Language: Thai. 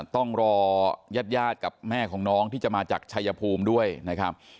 ต้องรอญาติกับแม่ของน้องที่จะมาจากชายภูมิด้วยนะครับ